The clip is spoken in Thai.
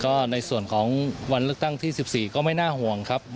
ก็ในส่วนของวันเลือกตั้งที่๑๔ก็ไม่น่าห่วงครับ